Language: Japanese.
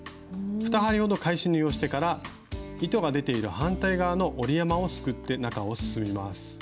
２針ほど返し縫いをしてから糸が出ている反対側の折り山をすくって中を進みます。